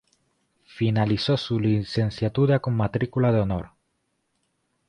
Finalizó su Licenciatura con Matrícula de Honor.